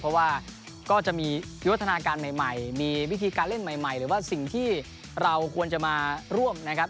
เพราะว่าก็จะมีวิวัฒนาการใหม่มีวิธีการเล่นใหม่หรือว่าสิ่งที่เราควรจะมาร่วมนะครับ